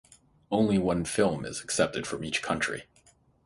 Only one film is accepted from each country.